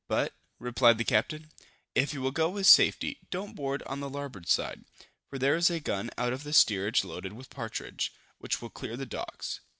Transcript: "But," replied the captain, "if you will go with safety, don't board on the larboard side, for there is a gun out of the steerage loaded with partridge, which will clear the decks."